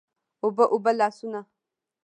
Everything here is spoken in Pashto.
اوبه، اوبه لاسونه